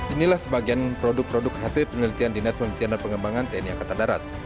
inilah sebagian produk produk hasil penelitian dinas penelitian dan pengembangan tni angkatan darat